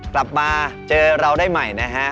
กลับมาเจอเราได้ใหม่นะฮะ